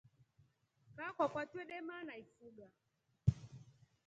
Kaa kwakwa twedema naifuga.